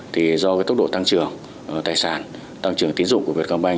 thì do tốc độ tăng trưởng tài sản tăng trưởng tín dụng của việt cộng banh